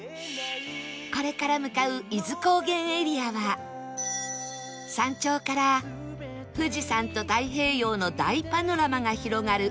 これから向かう伊豆高原エリアは山頂から富士山と太平洋の大パノラマが広がる